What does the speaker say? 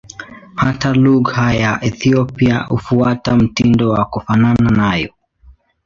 Hata lugha za Ethiopia hufuata mtindo wa kufanana nayo.